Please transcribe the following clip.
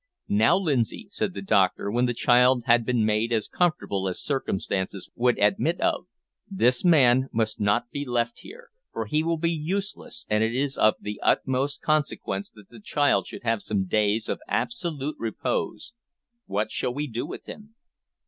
"Now, Lindsay," said the doctor, when the child had been made as comfortable as circumstances would admit of, "this man must not be left here, for he will be useless, and it is of the utmost consequence that the child should have some days of absolute repose. What shall we do with him?"